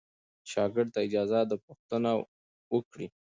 شاګرد ته اجازه ده پوښتنه وکړي.